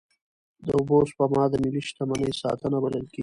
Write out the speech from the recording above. د اوبو سپما د ملي شتمنۍ ساتنه بلل کېږي.